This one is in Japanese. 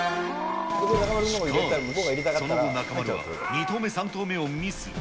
しかし、その後、中丸は２投目、３投目をミス。